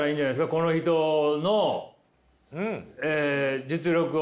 この人の実力を。